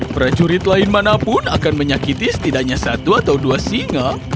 prajurit lain manapun akan menyakiti setidaknya satu atau dua singa